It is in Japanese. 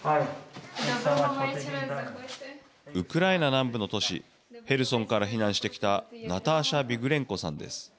ウクライナ南部の都市ヘルソンから避難してきたナターシャ・ビグレンコさんです。